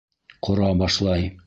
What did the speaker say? Ҡора башлай.